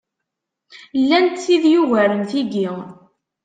Llant tid yugaren tiggi.